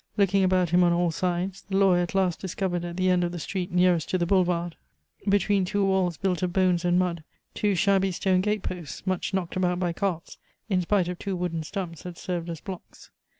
Looking about him on all sides, the lawyer at last discovered at the end of the street nearest to the boulevard, between two walls built of bones and mud, two shabby stone gate posts, much knocked about by carts, in spite of two wooden stumps that served as blocks.